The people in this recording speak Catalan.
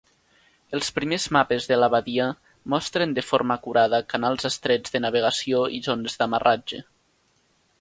Els primers mapes de la badia mostren de forma acurada canals estrets de navegació i zones d'amarratge.